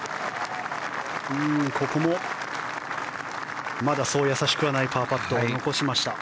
ここも、まだそう易しくはないパーパットを残しました。